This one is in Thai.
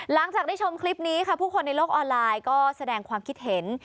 หลังจากได้ชมคลิปนี้ค่ะผู้คนในโลกออนไลน์ก็แสดงความคิดเห็น